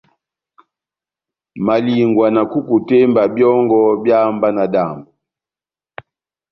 Malingwa na kukutemba yɔngɔ eháhá mba náhádambo.